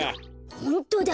ホントだ。